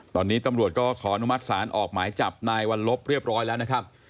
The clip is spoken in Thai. ตอนนี้ตำรวจก็ขออนุมัติศาลออกหมายจับนายวัลลบเรียบร้อยแล้วนะครับ